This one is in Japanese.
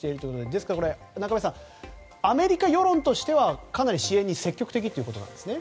ですから中林さんアメリカ世論としてはかなり支援に積極的ということですね。